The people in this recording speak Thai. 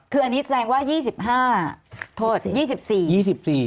คืออันนี้แสดงว่ายี่สิบห้าโทษยี่สิบสี่ยี่สิบสี่